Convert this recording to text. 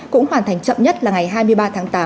cũng hoàn thành chậm nhất là ngày hai mươi ba tháng tám